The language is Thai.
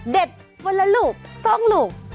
เด็ดเวลาหลุบซ้องหลุบ